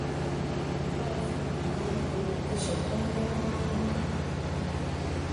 Mbua’ fa mengbié ne wu wu pishe kun ne ma ?